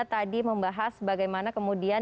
tadi membahas bagaimana kemudian